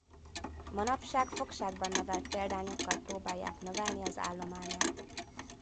Manapság fogságban nevelt példányokkal próbálják növelni az állományát.